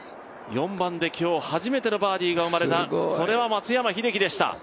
４番で今日初めてのバーディーが生まれた、それは松山英樹でした。